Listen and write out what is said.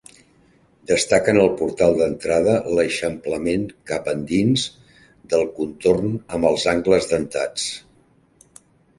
Destaca en el portal d'entrada l'eixamplament cap endins del contorn amb els angles dentats.